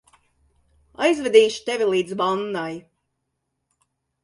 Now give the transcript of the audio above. Aizvedīšu tevi līdz vannai.